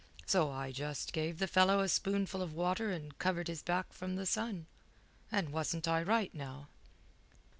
So I just gave the fellow a spoonful of water and covered his back from the sun. And wasn't I right now?"